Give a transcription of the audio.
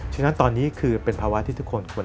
ฉะนั้นตอนนี้คือเป็นภาวะที่ทุกคนควร